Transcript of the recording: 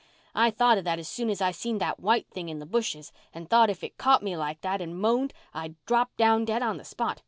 I thought of that as soon as I seen that white thing in the bushes and thought if it caught me like that and moaned I'd drop down dead on the spot.